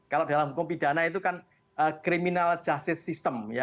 kalau dalam hukum pidana itu kan criminal justice system